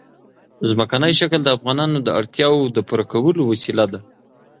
ځمکنی شکل د افغانانو د اړتیاوو د پوره کولو وسیله ده.